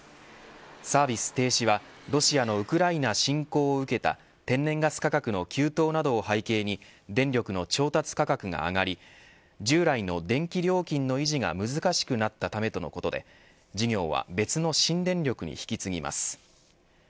サービス停止はロシアのウクライナ侵攻を受けた天然ガス価格の急騰などを背景に電力の調達価格が上がり従来の電気料金の維持が難しくなったためとのことで事業は別の新電力に引き継ぎます。